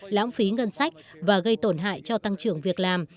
lãng phí ngân sách và gây tổn hại cho tăng trưởng việc làm